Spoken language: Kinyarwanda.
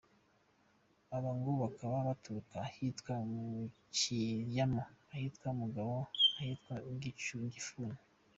Aba ngo bakaba baturuka ahitwa ku Kiryama, ahitwa Mugabo, n’ahitwa Gifuni.